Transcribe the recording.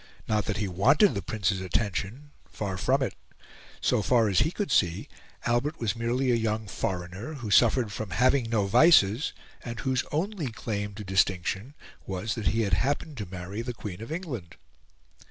Not that he wanted the Prince's attention far from it: so far as he could see, Albert was merely a young foreigner, who suffered from having no vices, and whose only claim to distinction was that he had happened to marry the Queen of England.